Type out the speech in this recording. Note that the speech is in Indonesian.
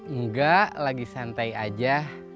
enggak lagi santai aja